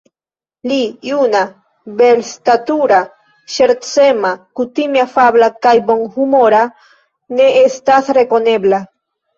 Li, juna, belstatura, ŝercema, kutime afabla kaj bonhumora, ne estas rekonebla.